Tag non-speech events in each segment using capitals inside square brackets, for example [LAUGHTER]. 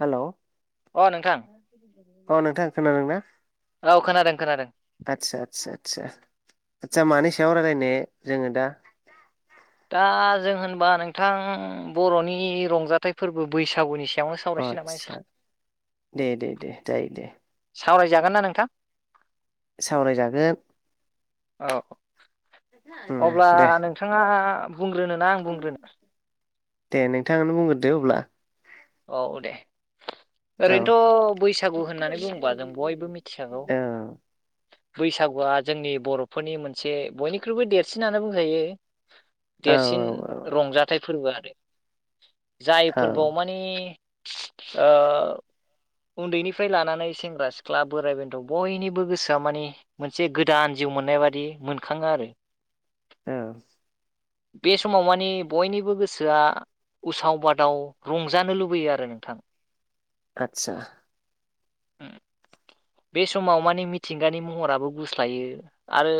हेल'! अ नोंथां। अ नोंथां खोनादोंना? औ खोनादों खोनादों आदसा आदसा आदसा। आदसा मानि सायाव रायलायनो जोङो दा। दा जों होनबा नोंथां बर'नि रंजाथाइ फोर्बो बैसागुनि सि आतसा दे दे दे जायो दे। सावरायजागोन ना नोंथां? सावरायजागोन। औ उम अब्ला दे नोंथाङा बुंग्रोनोना आं बुंग्रोनो? दे नोंथाङानो बुंगोर दो अब्ला औ दे। औ ओरैनोथ' बैसागु होननानै बुंङोबा जों बयबो मिथिखागौ औ बैसागुआ जोंनि बर'फोरनि मोनसे बयनिख्रुइबो देरसिनानो बुंजायो औ देरसिन रंजाथाइ फोर्बोआ जाय औ फोर्बोआव माने ओ उन्दैनिफ्राय लानानै सेंग्रा सिख्ला बोराइ बेन्थ' बयनिबो गोसोआ माने मोनसे गोदान जि जिउ मोननाय बादि मोनखाङो आरो। औ। बे समाव माने बयनिबो गोसोआ उसाव बादाव रंजानो लुबैयो आरो नोंथां। आतसा। बे समाव माने मिथिंगानि महराबो गुस्लायो। आरो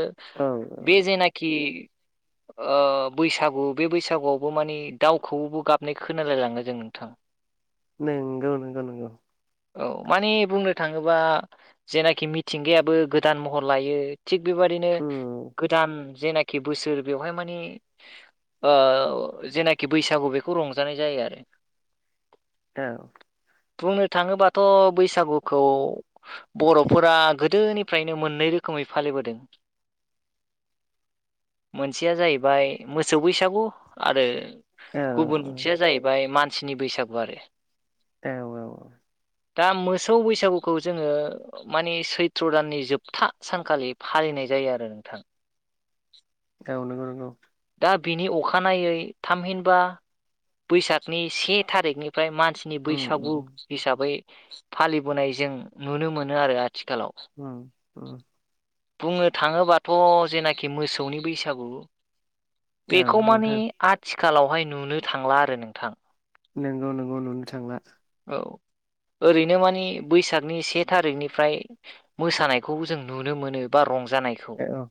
औ बे औ जेनाखि ओ बैसागु बे बैसागुआवबो माने दाउखौबो गाबनाय खोनालायलाङो। जों नोंथां। नोंगौ नोंगौ नोंगौ। औ माने बुंनो थाङोबा जेनाखि मिथिंगायाबो गोदान महर लायो थिग बेबादिनो उम गोदान जेनाखि बोसोर बेवहाय माने ओ जेनाखि बैसागु बेखौ रंजानाय जायो आरो। औ बुंनो थाङोबाथ' बैसागुखौ बर'फोरा गोदोनिफ्रायनो मोन्नै रो खोमै फालिबोदों। [UNINTELLIGIBLE] मोनसेया जाहैबाय मोसौ बैसागु आरो औ गुबुन मोनसेया जाहैबाय मानसिनि बैसागु आरो। औ औ। दा मोसौ बैसागुखौ जोङो माने सैथ्र' दाननि जोबथा सानखालि फालिनाय जायो आरो नोंथां। औ नंगौ नंगौ। दा बिनि अखानायै थामहिनबा बैसागनि से थारिखनि फ्राय मानसिनि उम बैसागु उम हिसाबै फालिबोनाय जों नुनो मोनो आरो आ उम उम। बुंनो थाङोबाथ' जेनाखि मोसौनि बैसागु औ बेखौ माने नोंथां आथिखालावहाय नुनो थांला आरो नोंथां। नोंगौ नोंगौ नुनो थांला। औ। ओरैनो मानि बैसागनि से थारिखनिफ्राय मोसानायखौ जों नुनो मोनो बा रं जानायखौ औ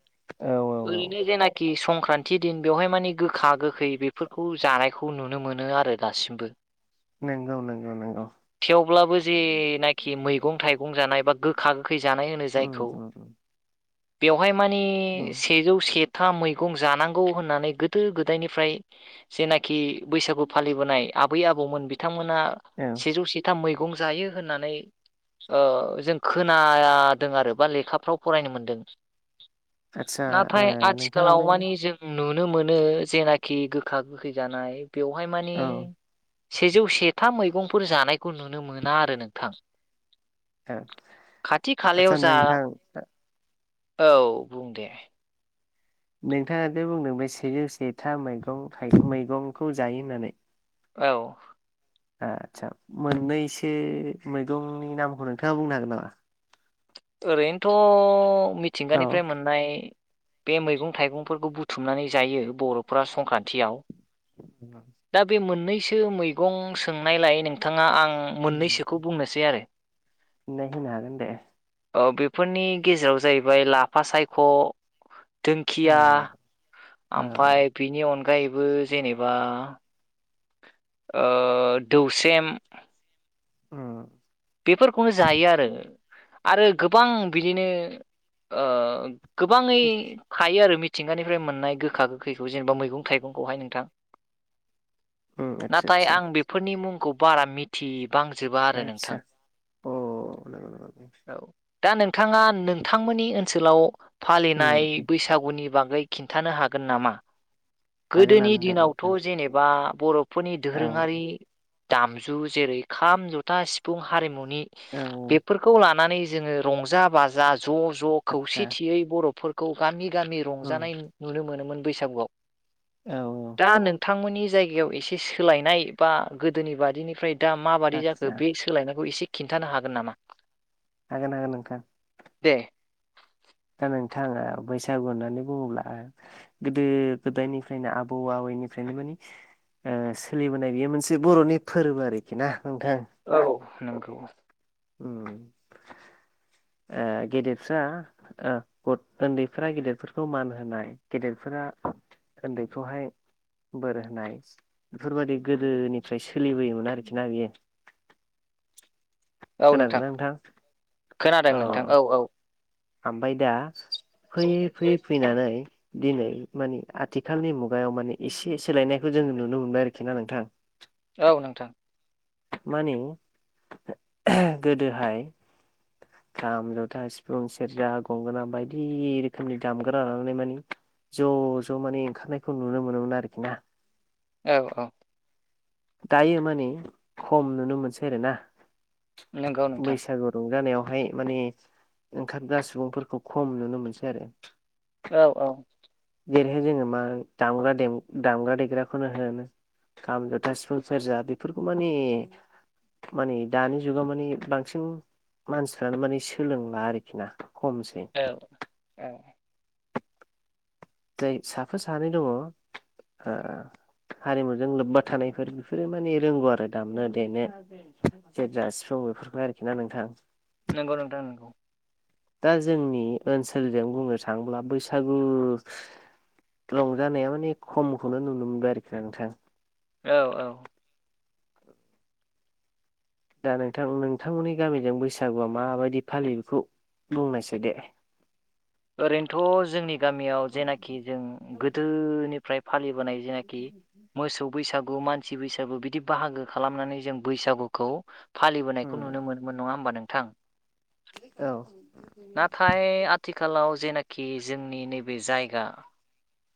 औ औ औ ओैरैनो जेनाखि सं ति दिन बेवहाय मानि गोखा गोखै बेफोरखौ जानायखौ नुनो मोनो आरो दासिमबो। नोंगौ नोंगौ नोंगौ। थेवब्लाबो जे नाखि मैगं थाइगं जानाय बा गोखा गोखै जानाय होनो उम जायखौ [INAUDIBLE] बेवहाय माने उम सेजौ सेथा मैगं जानां गौ होननानै गोदो गोदायनिफ्राय जेनाखि बैसागु फालिबोनाय आबै आबौमोन बिथांमोन ना औ सेजौ सेथा मैगं जायो होननानै ओ जों खोनादों आरो बा लेखाफ्राव फरायनो मोनदों। आदसा ओ नाथाय नोंथाङा बे आथिखालाव मानि जों नुनो मोनो जेनाखि गोखा गोखै जानाय बेवहाय माने औ सेजौ सेथा मैगंफोर जानायखौ नुनो मोना आरो नोंथां। औ खाथि आदसा खालायाव जा नोंथां औ बुं दे नोंथाङा जे बुंदों बे सेजौ सेथा मैगं थाइ मैगंखौ जायो होन्नानै औ। ओ आदसा मोन्नैसो मैगंनि नामखौ नोंथाङा बुंनो हागोन नामा? ओरैनोथ' औ मिथिंगानिफ्राय मोननाय बे मैगं थाइगंफोरखौ बुथुमनानै जायो बर'फोरा संक्रान्तियाव। दा बे मोन्नैसो मैगं सोंनायलाय नोंथाङा आं मोन्नैसोखौ बुंनोसै आरो। नै होननो हागोन दे। ओ बेफोरनि गेजेराव जाहैबाय लाफा सायख', औ दोंखिया औ ओमफाय बिनि अनगायैबो जेनेबा ओह दौस्रेम उम। बेफोरखौनो जायो आरो। आरो गोबां बिदिनो ओ गोबाङै थायो आरो मि थिंगानिफ्राय मोननाय गोखा गोखैखौ जेनेबा मैगं थाइगंखौहाय नोंथां। उम आतसा नाथाय आतसा आं बेफोरनि मुंखौ बारा मिथिबांजोबा आरो नोंथां। अह औ [UNINTELLIGIBLE] दा नोंथाङा नोंथांमोननि ओनसोलाव उम फालिनाय बैसागुनि बागै खिन्थानो हागोन नामा गोदोनि हागोनानो दे दिनावथ' नोंथां जेनेबा बर' फोरनि औ दोरोङारि दामजु जेरै खाम, जथा, सिफुं हारिमुनि औ बेफोरखौ लानानै जोङो रंजा बाजा ज' ज' आतसा खौसेथियै बर'फोरखौ गामि गामि उम रंजानाय नुनो मोनोमोन। बैसागुयाव। औ औ दा नोंथां‌ मोननि जायगायाव एसे सोलायनाय बा गोदोनि बादिनिफ्राय दा मा बायदि आदसा जाखो बे सो खौ एसे खिन्थानो हागोन नामा? हागोन नागोन नोंथां। दे। दा नोंथांङा बैसागु होननानै बुङोब्ला गोदो गोदायनिफ्रायनो आबौ आबै बेनिफ्रायनो माने ओ सोलिबोनाय बेयो मोनसे बरनि फोरबो आरोखि ना। नोंथां औ नंगौ। उम। ओ गेदेरफ्रा ओ उन्दैफ्रा गेदेरफोरखौ मान होनाय गेदेरफोरा उन्दैखौहाय बोर होनाय बेफोरबायदि गोदोनिफ्राय सोलिबोयोमोन आरोखि ना बियो। [INAUDIBLE] खोनादों ना नोंथां खोनादों अ नोंथां औ औ ओमफ्राय दा फैयै फैयै फैनानै दिनै माने आथिखालनि मुगायाव माने एसे सोलायनायखौ जोङो नुनो मोनबाय आरोखि ना नोंथां। औ नोंथां। माने गोदोहाय खाम, जथा, सिफुं, सेरजा, गंगोना बायदि रोखोमनि दामगोना लानानै माने ज ज माने ओंखारनायखौ नुनो मोनोमोन आरोखि ना। औ औ। दायो माने खम नुनो मोनसै आरोना। नंगौ नोंथां बैसागु रंजानायाव बेहाय माने ओंखारग्रा सुबुंफोरखौ खम नुनो मोनसै आरो औ औ। जेरैहाय जोङो मा दामग्रा दामग्रा देग्राखौनो होनो। खामजथा सिफुं सेरजा बेफोरखौ माने माने दानि जुगाव माने बांसिन मानसिफ्रानो माने सोलोंला आरोखि ना। खमसै। ओं। जाय साफा सानै दंङ ओ हारिमुजों लोब्बा थानायफोर बेफोरो माने रोंगौ आरो दामनो देनो। जेजास्र' बेफोरखौ आरोखि ना नोंथां? नंगौ नोंथां नंगौ। दा जोंनि ओनसोलजों बुंनो थांङोब्ला बैसागु रंजानायावनि खमखौनो नुनो मोनबाय आरोखि नोंथां। औ औ। दा नोंथां नोंथांमोननि गामिजों बैसागुआ माबायदि फालियो बेखौ बुंलनायसै दे? ओरैनोथ जोंनि गामियाव जेनाखि जों गोदोनिफ्राय फालि फालिबोनाय जेनेखि मोसौ बैसागु मानसि बैसागु बिदि बाहागो खालामनानै जों बैसागुखौ फालिबोनायखौ नुनो मोनो मोन नङा होमबा नोंथां? औ। जेनेखि जोंनि नैबे जायगा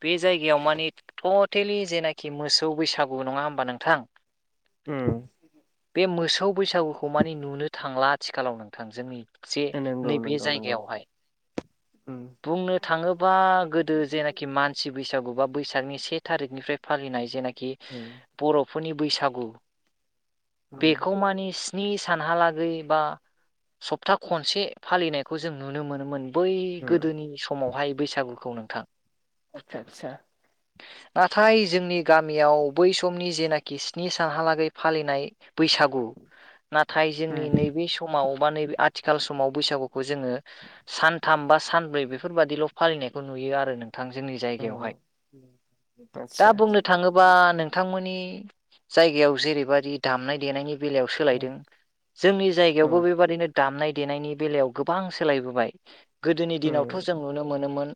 बे जायगायाव माने एथ [UNINTELLIGIBLE] जेनाखि मोसौ बैसागु नङा होमबा नोंथां? उम। बे मोसौ बैसागुखौ माने नुनो थांला आथिखालाव नोंथां जोंनि जे नंगौ नैबे नंगौ नंगौ जायगायावहाय। उम बुंनो थाङोबा गोदो जेनाखि मानसि बैसागु बैसागु बा बैसागनि से थारिखनिफ्राय फालिनाय जेनेखि उम बर'निफोरनि बैसागु उम बेखौ माने स्नि सानहालागै बा सप्ता खनसे फालिनायखौ जों नुनो मोनोमोन बै उम गोदोनि समावहाय बैसागुखौ नोंथां। आतसा आतसा। नाथाय जोंनि गामियाव बै समनि जेनाखि स्नि सानहालागै फालिनाय बैसागु नाथाय जोंनि उम नैबे समाव बा नैबे आथिखाल समाव बैसागुखौ जोङो सान थाम बा सानब्रै बेफोरबादिल' फालिनायखौ नुयो आरो नों थां जोंनि जायगायावहाय उम दा आतसा बुंनो थाङोबा नोंथांमोननि जायगायाव जेरैबायदि दामनाय देनायनि बेलायाव उम सोलायदों जोंनि जायगायावबो उम बेबायदिनो दामनाय देनायनि बेलायाव गोबां सोलायबोबाय गोदोनि दिनावथ' उम जों नुनो मोनोमोन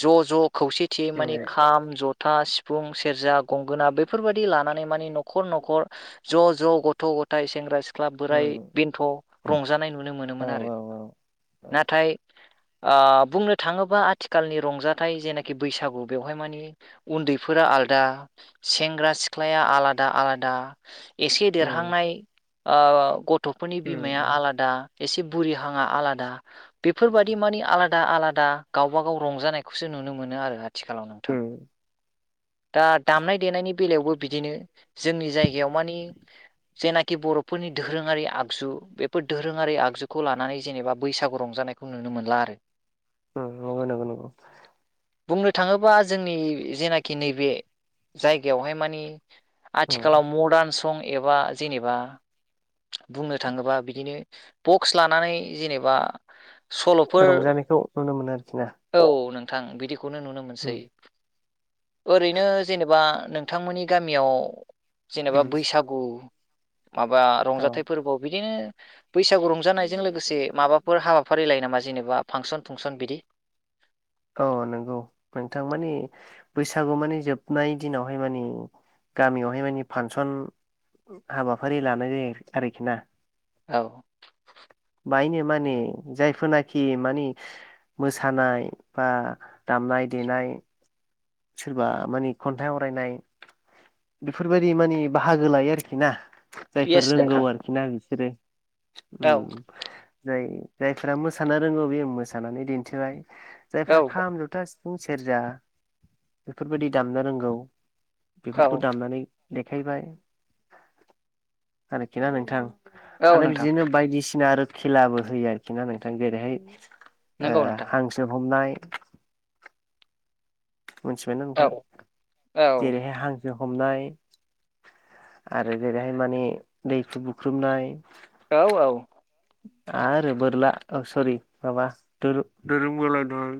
ज' ज' खौसेथियै माने खाम जथ - जथा सिफुं सेरजा गंगोना बेफोरबायदि लानानै माने न'खर न'खर ज' ज' गथ' गथा गथाय सेंग्रा सि सिख्ला बोराय उम बेन्थ' रंजानाय नुनो औ मोनोमोन आरो औ औ नाथाय ओ बुंनो थाङोब्ला आथिखालनि रंजाथाइ जेनाखि बैसागु बेवहाय मानि उन्दैफोरा आलदा सेंग्रा सिख्लाया आलादा आलादा एसे उम देरहांनाय गथ'फोरनि उम बिमाया उम आलादा एसे बुरि हाङा आलादा बेफोरबायदि माने आलादा आलादा गावबाागाव रंजानायखौसो नुनो मोनो आरो आथिखालाव नोंथां। उम दा दामनाय देनायनि बेलायावबो बिदिनो जोंनि जायगायाव माने जेनाखि बर'फोरनि दोरोङारि आगजु बेफोर दोरोङारि आगजुखौ लानानै जेनेबा बैसागु रंजानाय खौ नुनो मोनला आरो ‌ उम नंगौ नंगौ नंगौ। बुंनो थाङोबा जोंनि जेनाखि नैबे जायगायावहाय माने उम आथिखालाव मडार्न सं एबा जेनेबा बुंनो थाङोबा बिदिनो बक्स लानानै जेनेबा सल'फोर नायखौ नुनो मोनो आरोखि ना। औ नोंथां बिदिखौनो नुनो मोनसै। उम ओरैनो जेनेबा नोंथांमोननि गामियाव उम जेनेबा बैसागु माबा औ रंजाथाइ फोरबोआव बिदिनो बैसागु रंजानायजों लोगोसे माबाफोर हाबाफारि लायो नामा जेनेबा फांसन फुंसन बिदि? औ नंगौ नोंथां मानि बैसागु माने जोबनाय दिनावहाय माने गामियावहाय माने फांसन हाबाफारि लानाय जायो आरोखि ना। औ। नो माने जायफोरनाखि माने मोसानाय बा दामनाय दे नाय सोरबा मानि खन्थाइ आवरायनाय बेफोरबायदि माने बाहागो लायो आरोखि ना। जायफोर येस रोंगौ नोंथां आरोखि ना बिसोरो औ उम जाय जायफोरा मोसानो रोंगौ बेयो मोसानानै दिन्थिबाय औ जायफ्रा खाम जथा सिफुं सेरजा बेफोरबायदि दामनो रोंगौ औ बेफोरखौ दामनानै देखायबाय आरोखि ना नोंथां औ आरो नोंथां बिदिनो बायदिसिना सिना आरो खेलाबो होयो आरोखि ना नोंथां जेरैहाय नंगौ नोंथां हांसो हमनाय मिथिबायना औ नोंथां औ जेरैहाय हां सो हमनाय आरो जेरैहाय माने दैहु बुख्रुबनाय औ औ आरो बोरला सरि माबा दु-दुरुं बोलायनाय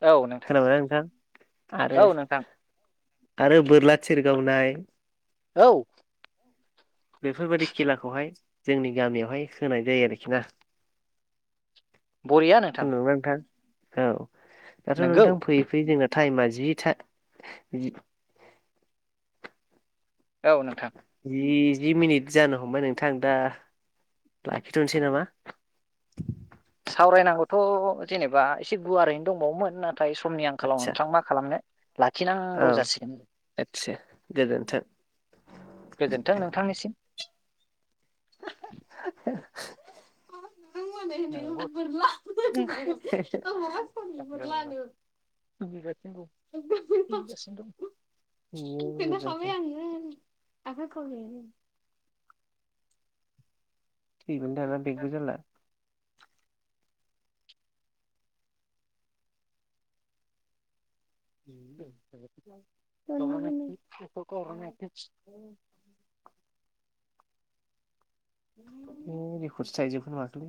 औ नोंथां खोनाबायना नोंथां आरो औ नोंथां आरो बोरला थिर गावनाय औ बेफोरबायदि खेलाखौहाय जोंनि गामियावहाय होनाय जायो आरोखि ना [UNINTELLIGIBLE] नोंथां औ दाथ' नोंगौ नोंथां फैयै फैयै जोंना थाइमा जि था औ नोंथां जि जि मिनिट जानो हमबाय नोंथां दा। लाखिथ'निसै नामा। सावरायनांगौथ' जेनेबा एसे गुवारैनो दंबावोमोन नाथ थाय समनि आंखालाव आदसा नोंथां मा खालामनो। लाखिनांगौ औ जासिगोन आदसा गोजोन्थों। गोजोन्थों नोंथांनिसिम। [UNINTELLIGIBLE] [UNINTELLIGIBLE] बि [UNINTELLIGIBLE] बेनो खाबाय आं [UNINTELLIGIBLE] थैमोन दाना बेगबो जाला। [UNINTELLIGIBLE] [INAUDIBLE] एै [UNINTELLIGIBLE] माखोलै